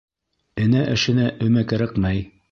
Энә эшенә өмә кәрәкмәй.